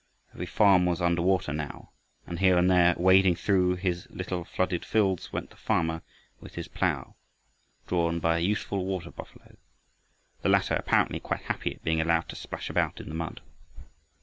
Every farm was under water now, and here and there, wading through his little flooded fields, went the farmer with his plough, drawn by a useful water buffalo, the latter apparently quite happy at being allowed to splash about in the mud.